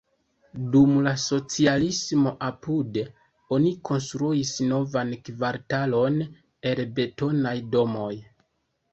Dum la socialismo apude oni konstruis novan kvartalon el betonaj domoj.